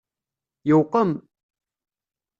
Yewqem!